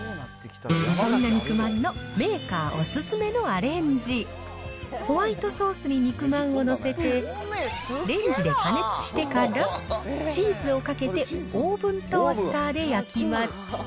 そんな肉まんのメーカーお勧めのアレンジ、ホワイトソースに肉まんを載せて、レンジで加熱してから、チーズをかけてオーブントースターで焼きます。